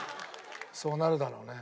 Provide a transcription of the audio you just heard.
そうなるだろうね。